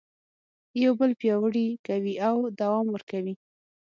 یو بل پیاوړي کوي او دوام ورکوي.